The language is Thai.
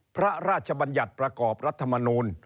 พระราชบัญญัติประกอบรัฐมนูล